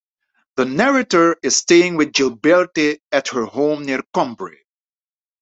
The Narrator is staying with Gilberte at her home near Combray.